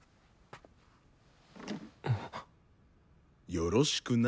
よろしくな。